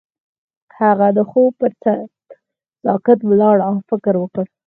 هغه د خوب پر څنډه ساکت ولاړ او فکر وکړ.